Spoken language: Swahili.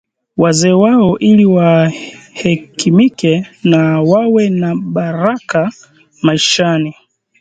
wazee wao ili wahekimike na wawe na baraka maishani